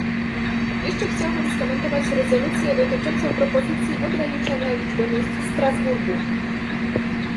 Jeszcze chciałbym skomentować rezolucję dotyczącą propozycji ograniczenia liczby miejsc w Strasburgu